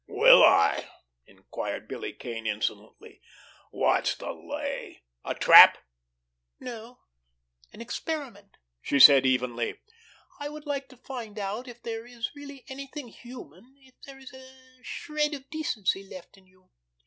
"Will I?" inquired Billy Kane insolently. "Whats the lay? A trap?" "No—an experiment," she said evenly. "I would like to find out if there is really anything human, if there is a shred of decency left in you.